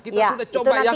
kita sudah coba yakin